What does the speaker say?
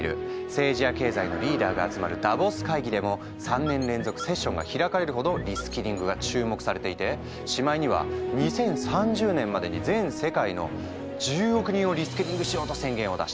政治や経済のリーダーが集まるダボス会議でも３年連続セッションが開かれるほどリスキリングが注目されていてしまいには２０３０年までに全世界の１０億人をリスキリングしようと宣言を出した。